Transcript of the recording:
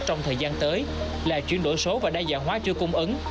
trong thời gian tới là chuyển đổi số và đa dạng hóa chuỗi cung ứng